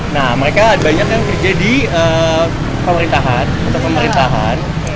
nah mereka banyak yang kerja di pemerintahan